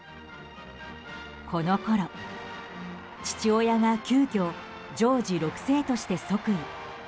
このころ父親が、急きょジョージ６世として即位。